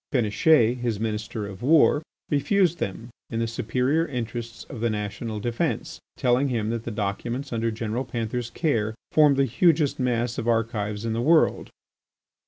Péniche, his Minister of War, refused them in the superior interests of the national defence, telling him that the documents under General Panther's care formed the hugest mass of archives in the world.